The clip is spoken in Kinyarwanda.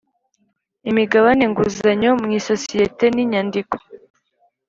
Imigabane nguzanyo mu isosiyete ni inyandiko